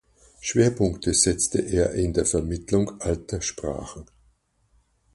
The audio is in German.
Schwerpunkte setzte er in der Vermittlung alter Sprachen.